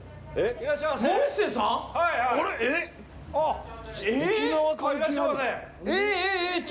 ・いらっしゃいませ。